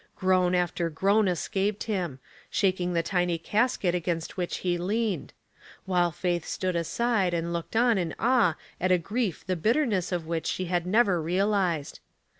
Groan after groan escaped him, shaking the tiny casket against which he leaned ; while Faith stood aside and looked on in awe at a grief the bitter ness of which she had never realized.